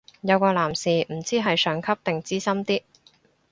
有個男士唔知係上級定資深啲